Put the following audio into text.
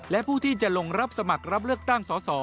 และผู้ที่จะลงรับสมัครรับเลือกตั้งสส